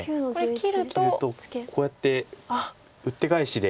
切るとこうやってウッテガエシで。